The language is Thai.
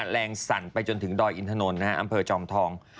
สั่นไปจนถึงดอยอินถนนอำเภอจอมทอง